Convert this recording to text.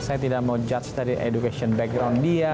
saya tidak mau judge dari education background dia